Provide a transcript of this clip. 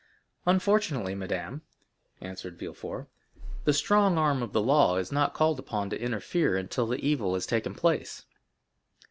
"Unfortunately, madame," answered Villefort, "the strong arm of the law is not called upon to interfere until the evil has taken place."